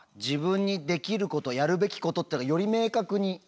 自分にできることやるべきことってのはより明確に。